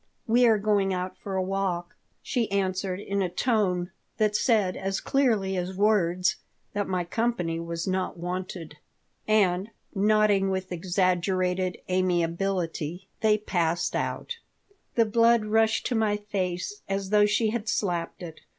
We are going out for a walk," she answered in a tone that said as clearly as words that my company was not wanted. And, nodding with exaggerated amiability, they passed out The blood rushed to my face as though she had slapped it.